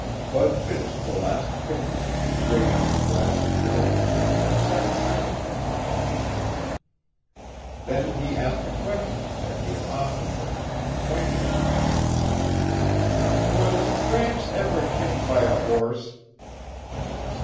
Bud finished the last cookie, drained the glass of milk, and sat silently for a moment. Then he asked a question that he had often been on the point of asking. "Was Gramps ever kicked by a horse?"